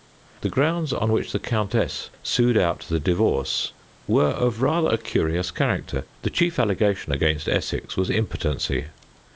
The grounds on which the countess sued out the divorce were of rather a curious character. The chief allegation against Essex was impotency.